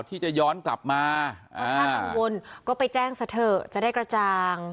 ที่จะย้อนกลับมาถ้ากังวลก็ไปแจ้งซะเถอะจะได้กระจาง